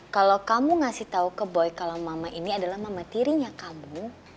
kalo kamu ngasih tau ke boy kalo mama ini adalah mama tirinya kamu